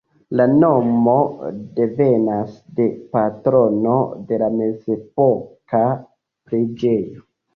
La nomo devenas de patrono de la mezepoka preĝejo.